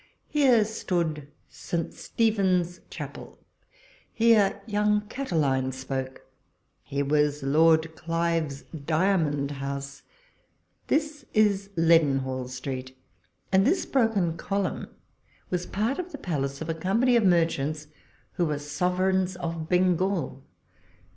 " Here stood St. Stephen's Chapel ; here young Catiline spoke ; here was Lord Clive's diamond house ; this is Leadenhall Street, and this brokenj column was part of the palace of a company of merchants who were sovereigns of Bengal